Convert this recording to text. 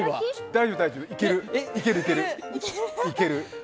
大丈夫、大丈夫、いける。